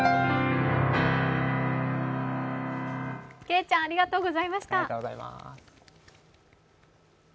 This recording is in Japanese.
けいちゃん、ありがとうございました。